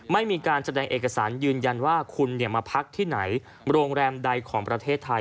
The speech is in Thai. ไม่มีการแสดงเอกสารยืนยันว่าคุณมาพักที่ไหนโรงแรมใดของประเทศไทย